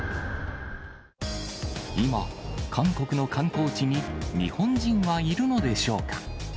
今、韓国の観光地に、日本人はいるのでしょうか。